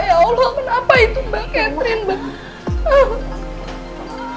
ya allah kenapa itu mbak catherine mbak